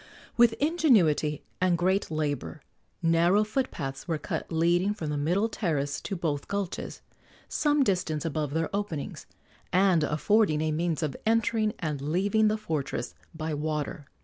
With ingenuity and great labor narrow foot paths were cut leading from the middle terrace to both gulches, some distance above their openings, and affording a means of entering and leaving the fortress by water.